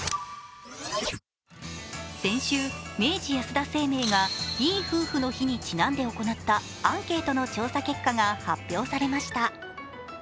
先週、明治安田生命がいい夫婦の日にちなんで行ったアンケートの調査結果が発表されました。